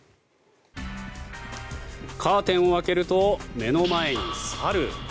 カーテンを開けると目の前に猿。